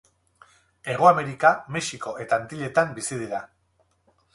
Hego Amerika, Mexiko eta Antilletan bizi dira.